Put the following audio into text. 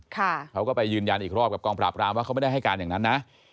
เขาก็ไปยืนยันอีกรอบกับกองปราบรามว่าเขาไม่ได้ให้การอย่างนั้นนะ